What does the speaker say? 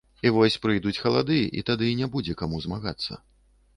І вось прыйдуць халады, і тады не будзе каму змагацца.